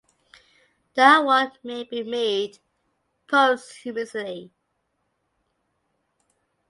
The award may be made posthumously.